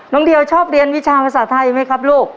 เดียวชอบเรียนวิชาภาษาไทยไหมครับลูก